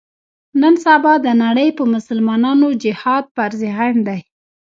نن سبا د نړۍ په مسلمانانو جهاد فرض عین دی.